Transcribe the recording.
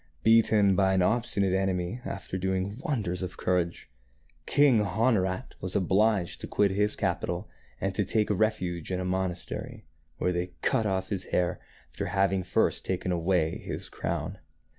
Beaten by an obstinate enemy after doing wonders of courage, King Honorat was obliged to quit his capital and to take refuge in a monastery, where they cut off his hair, after having first taken away his crown.